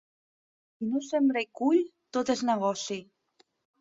Qui no sembra i cull, tot és negoci.